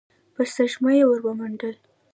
په سږمه يې ور ومنډل.